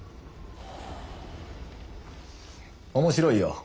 面白いよ。